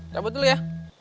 dabur dulu ya